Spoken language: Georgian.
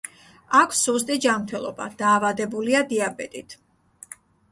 აქვს სუსტი ჯანმრთელობა, დაავადებულია დიაბეტით.